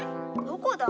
どこだ？